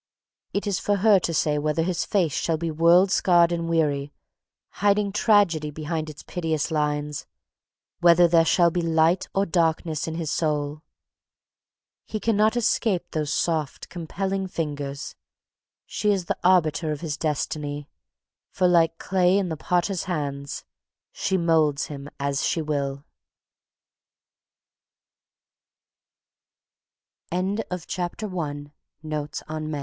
It is for her to say whether his face shall be world scarred and weary, hiding tragedy behind its piteous lines; whether there shall be light or darkness in his soul. He cannot escape those soft, compelling fingers; she is the arbiter of his destiny for like clay in the potter's